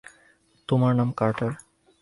তোমার নাম কার্টার।